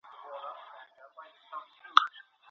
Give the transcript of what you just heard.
که د ځوان خبره واوریدل سي نو ارامیږي.